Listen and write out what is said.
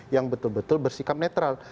yang betul betul bersikap netral